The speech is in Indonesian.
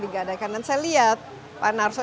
digadaikan dan saya lihat pak narso